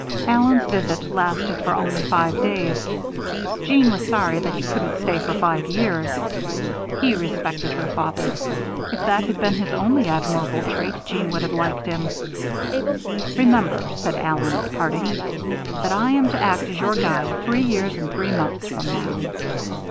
Allen's visit lasted for only five days. Jeanne was sorry that he couldn't stay for five years. He respected her father. If that had been his only admirable trait, Jeanne would have liked him. "Remember," said Allen, at parting, "that I am to act as your guide three years and three months from now."